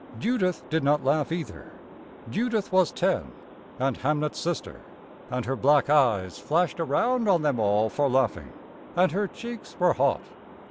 Judith did not laugh either. Judith was ten, and Hamnet's sister, and her black eyes flashed around on them all for laughing, and her cheeks were hot.